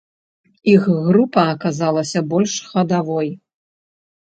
Іх група аказалася больш хадавой.